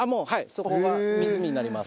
そこが湖になります。